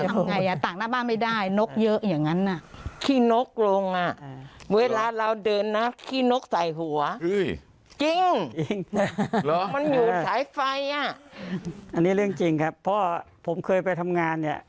ฟ่ายน่ะมันเป็นเรื่องจริงครับพ่อผมเคยไปทำงานเนี่ย